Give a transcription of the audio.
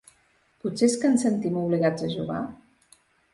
Potser és que ens sentim obligats a jugar?